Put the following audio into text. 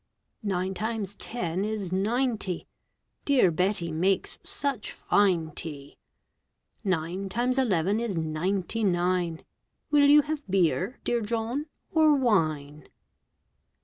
Nine times ten is ninety. Dear Betty makes such fine tea! Nine times eleven is ninety nine. Will you have beer, dear John, or wine?